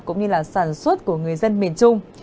cũng như sản xuất của người dân miền trung